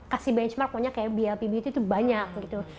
kasih benchmark maunya kayak blp bt itu banyak gitu